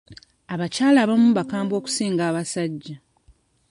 Abakyala abamu bakambwe okusinga abasajja.